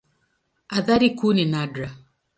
Athari kuu ni nadra.